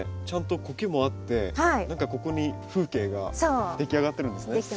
ちゃんとコケもあって何かここに風景ができ上がってるんですね。